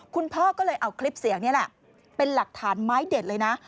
คุณพ่อก็เลยเอาคลิปเสียงนี่แหละเป็นหลักฐานไม้เด็ดเลยนะ